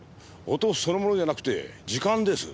音そのものじゃなくて時間です。